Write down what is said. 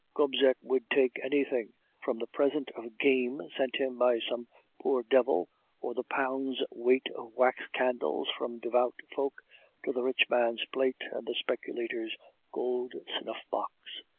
Gobseck would take anything, from the present of game sent him by some poor devil or the pound's weight of wax candles from devout folk, to the rich man's plate and the speculator's gold snuff box.